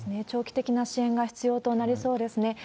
長期的な支援が必要となりそうですね。